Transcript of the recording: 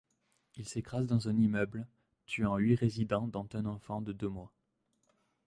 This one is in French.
Il s'écrase dans un immeuble, tuant huit résidents dont un enfant de deux mois.